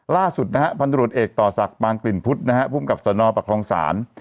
ล่าสุดพันธุรกิจเอกต่อศักดิ์ปางกลิ่นพุทธผู้กับสนประคลองศาล